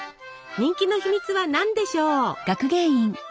人気の秘密は何でしょう？